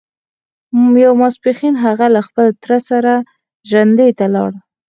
يو ماسپښين هغه له خپل تره سره ژرندې ته لاړ.